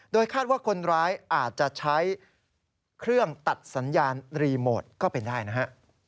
คาดว่าคนร้ายอาจจะใช้เครื่องตัดสัญญาณรีโมทก็เป็นได้นะฮะ